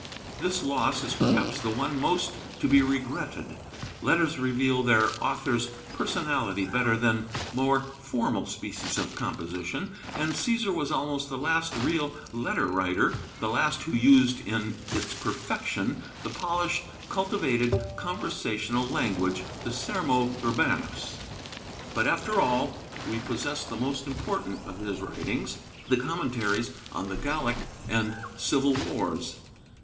This loss is perhaps the one most to be regretted. Letters reveal their author's personality better than more formal species of composition, and Cæsar was almost the last real letter writer, the last who used in its perfection the polished, cultivated, conversational language, the Sermo urbanus. But after all, we possess the most important of his writings, the Commentaries on the Gallic and Civil Wars.